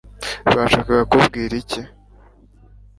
bashaka kumbwira iki